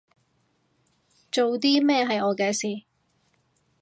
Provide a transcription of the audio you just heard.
做啲咩係我嘅事